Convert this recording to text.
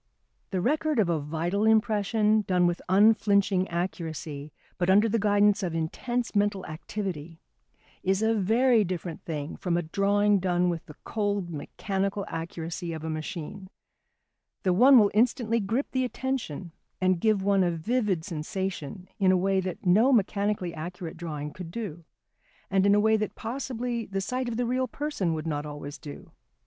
The record of a vital impression done with unflinching accuracy, but under the guidance of intense mental activity, is a very different thing from a drawing done with the cold, mechanical accuracy of a machine. The one will instantly grip the attention and give one a vivid sensation in a way that no mechanically accurate drawing could do, and in a way that possibly the sight of the real person would not always do.